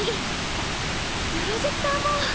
あっプロジェクターも！